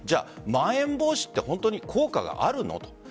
まん延防止って本当に効果があるのと。